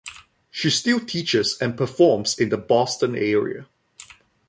She still teaches and performs in the Boston area.